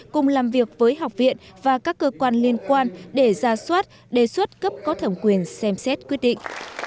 cùng làm việc với học viện và các cơ quan liên quan để ra soát đề xuất cấp có thẩm quyền xem xét quyết định